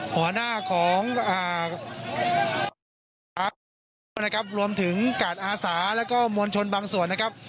หัวหน้าของอาร์ตนะครับรวมถึงกาดอาสาแล้วก็มวลชนบางส่วนนะครับ